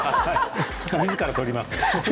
みずから撮ります